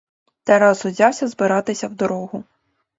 Тарас узявся збиратися в дорогу.